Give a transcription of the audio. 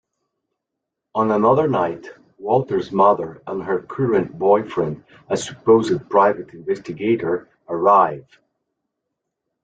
On another night, Walter's mother and her current boyfriend, a supposed "private investigator", arrive.